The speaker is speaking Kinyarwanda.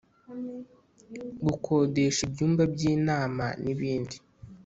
Gukodesha ibyumba by inama n ibindi